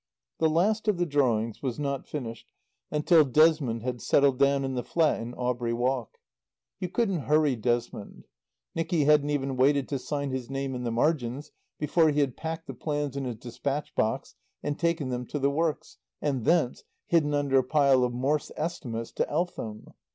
The last of the drawings was not finished until Desmond had settled down in the flat in Aubrey Walk. You couldn't hurry Desmond. Nicky hadn't even waited to sign his name in the margins before he had packed the plans in his dispatch box and taken them to the works, and thence, hidden under a pile of Morss estimates, to Eltham.